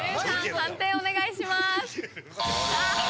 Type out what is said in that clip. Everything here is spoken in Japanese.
判定お願いします。